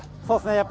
そうですね。